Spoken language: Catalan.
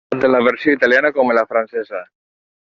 Tant en la versió italiana com en la francesa.